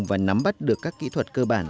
và nắm bắt được các kỹ thuật cơ bản